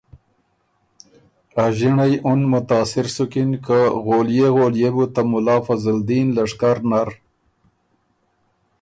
ا ݫِنړئ اُن متاثر سُکِن که غولئے غولئے بو ته مُلا فضل دین لشکر نر